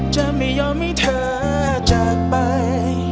จะไม่ยอมให้เธอจากไป